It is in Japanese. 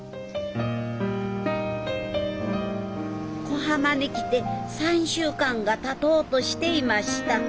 小浜に来て３週間がたとうとしていました。